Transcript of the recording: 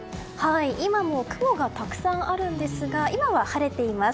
今も雲がたくさんあるんですが今は晴れています。